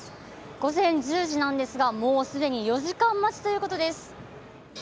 午前１０時なんですがもうすでに４時間待ちということです。